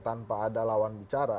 tanpa ada lawan bicara